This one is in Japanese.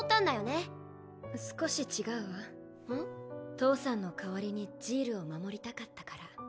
父さんの代わりにジールを守りたかったから。